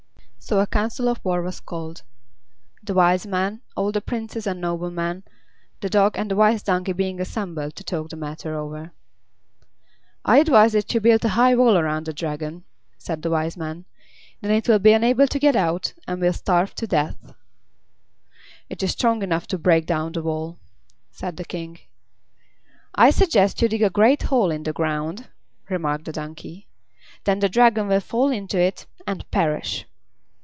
So a council of war was called. The Wise Man, all the Princes and Noblemen, the Dog and the Wise Donkey being assembled to talk the matter over. "I advise that you build a high wall around the Dragon," said the Wise Man. "Then it will be unable to get out, and will starve to death." "It is strong enough to break down the wall," said the King. "I suggest you dig a great hole in the ground," remarked the Donkey. "Then the Dragon will fall into it and perish."